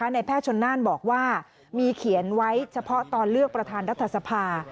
ในแพทย์ชนน่านบอกว่ามีเขียนไว้เฉพาะตอนเลือกประธานรัฐสภา